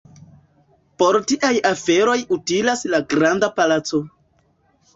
Por tiaj aferoj utilas la Granda Palaco.